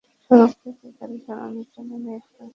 সড়ক থেকে গাড়ি সরানোর জন্য মেয়রের কাছে আরও সময় চান তিনি।